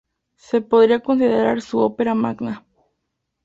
Se podría considerar su opera magna.